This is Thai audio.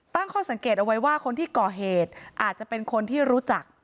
ตั้งข้อสังเกตเอาไว้ว่าคนที่ก่อเหตุอาจจะเป็นคนที่รู้จัก